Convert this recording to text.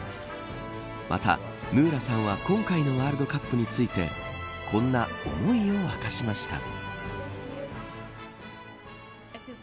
またヌーラさんは今回のワールドカップについてこんな思いを明かしました。